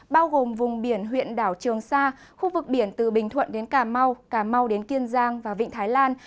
bao gồm vùng biển huyện đảo trường sa khu vực biển từ bình thuận đến cà mau cà mau đến kiên giang và vịnh thái lan